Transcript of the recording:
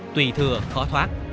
tùy thừa khó thoát